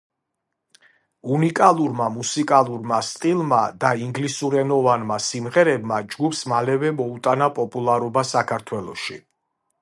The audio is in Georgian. უნიკალურმა მუსიკალურმა სტილმა და ინგლისურენოვანმა სიმღერებმა ჯგუფს მალევე მოუტანა პოპულარობა საქართველოში.